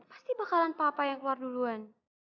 pasti bakalan papa yang keluar duluan